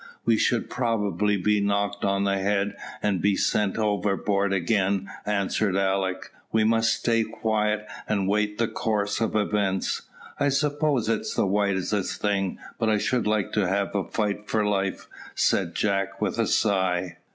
"We should probably be knocked on the head, and be sent overboard again," answered Alick. "We must stay quiet, and wait the course of events." "I suppose it is the wisest thing, but I should like to have a fight for life," said Jack, with a sigh.